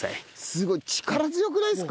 すごい力強くないですか？